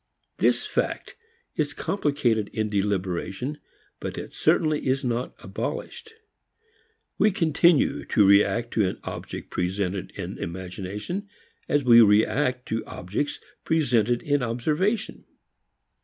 This fact is complicated in deliberation, but it certainly is not abolished. We continue to react to an object presented in imagination as we react to objects presented in observation.